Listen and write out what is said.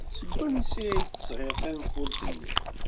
Seg wansi ay d-tesɣid tanfult-nni?